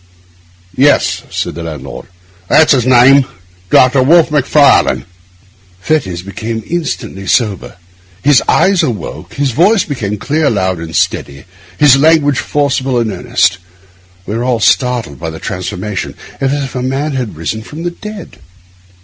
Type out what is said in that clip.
'Yes,' said the landlord, 'that's his name, Doctor Wolfe Macfarlane.' Fettes became instantly sober; his eyes awoke, his voice became clear, loud, and steady, his language forcible and earnest. We were all startled by the transformation, as if a man had risen from the dead.